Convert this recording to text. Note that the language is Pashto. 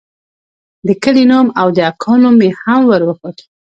د کلي نوم او د اکا نوم مې هم وروښود.